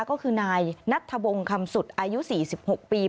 ก็คือนายนัทธบงคำสุดอายุ๔๖ปี